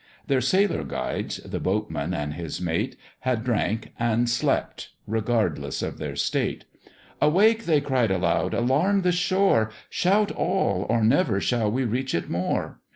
Their sailor guides, the boatman and his mate, Had drank, and slept regardless of their state: "Awake!" they cried aloud; "Alarm the shore! Shout all, or never shall we reach it more!"